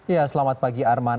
ya selamat pagi arman